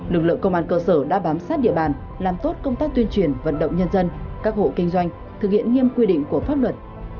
lực lượng công an cơ sở đã bám sát địa bàn làm tốt công tác tuyên truyền vận động nhân dân các hộ kinh doanh thực hiện nghiêm quy định của pháp luật